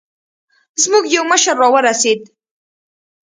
زموږ يو مشر راورسېد.